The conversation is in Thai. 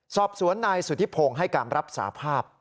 สอบสวนนายสุธิพงศ์ให้การรับสาภาพ